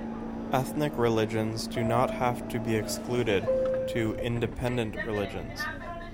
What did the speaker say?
Ethnic religions do not have to be excluded to independent religions.